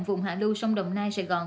vùng hạ lưu sông đồng nai sài gòn